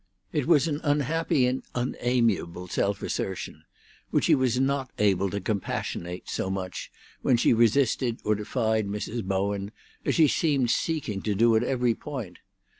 It was an unhappy and unamiable self assertion, which he was not able to compassionate so much when she resisted or defied Mrs. Bowen, as she seemed seeking to do at every point.